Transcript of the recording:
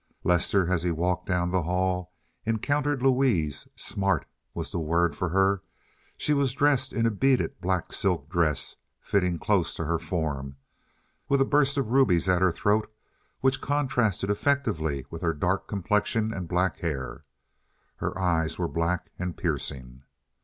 Lester, as he walked down the hall, encountered Louise. "Smart" was the word for her. She was dressed in a beaded black silk dress, fitting close to her form, with a burst of rubies at her throat which contrasted effectively with her dark complexion and black hair. Her eyes were black and piercing.